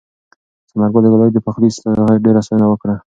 ثمرګل د ګلالۍ د پخلي ډېره ستاینه وکړه.